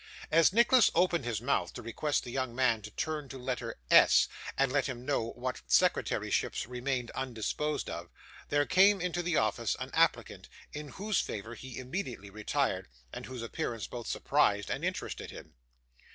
As Nicholas opened his mouth, to request the young man to turn to letter S, and let him know what secretaryships remained undisposed of, there came into the office an applicant, in whose favour he immediately retired, and whose appearance both surprised and interested him.